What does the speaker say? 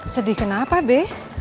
sedih kenapa be